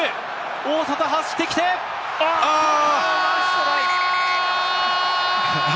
大外、走ってきて、ナイストライ！